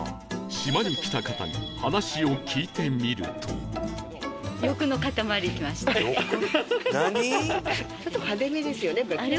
島に来た方に話を聞いてみると欲？何！？